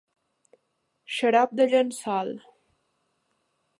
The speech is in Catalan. Xarop de llençol.